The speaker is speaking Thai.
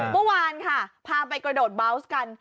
เมื่อวานค่ะพาไปกระโดดเบาสกัน